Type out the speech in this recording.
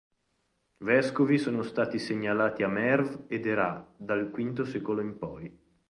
Vescovi sono stati segnalati a Merv ed Herat dal V secolo in poi.